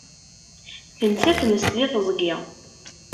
Tensa tmest di tiẓgi.